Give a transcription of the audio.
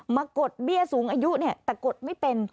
กดเบี้ยสูงอายุเนี่ยแต่กดไม่เป็น